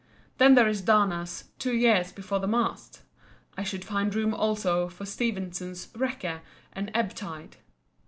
Then there is Dana's "Two Years before the Mast." I should find room also for Stevenson's "Wrecker" and "Ebb Tide."